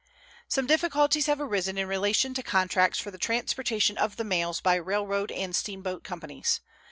Some difficulties have arisen in relation to contracts for the transportation of the mails by railroad and steamboat companies.